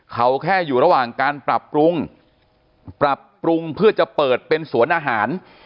เขาแค่อยู่ระหว่างการปรับปรุงปรับปรุงเพื่อจะเปิดเป็นสวนอาหาร